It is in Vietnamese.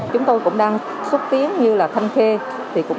chúng tôi cũng đang xúc tiến như là thanh khê